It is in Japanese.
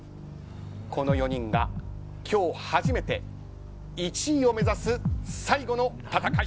この４人が、今日初めて１位を目指す、最後の戦い。